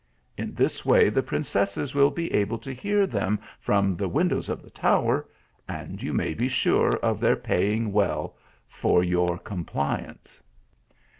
In this way, the princesses will be able to hear them from the windows of the tower, and you may be sure of their paying well for your Compliance."